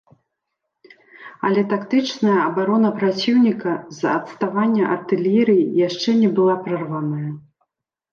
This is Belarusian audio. Але тактычная абарона праціўніка з-за адставання артылерыі яшчэ не была прарваная.